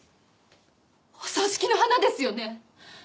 お葬式の花ですよね？